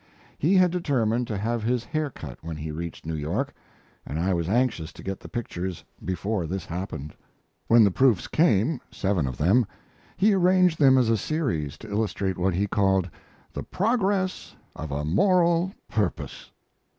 He had determined to have his hair cut when he reached New York, and I was anxious to get the pictures before this happened. When the proofs came seven of them he arranged them as a series to illustrate what he called "The Progress of a Moral Purpose."